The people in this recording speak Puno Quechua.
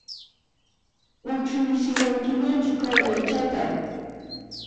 Kuchuysiwankimanchu kay aychata?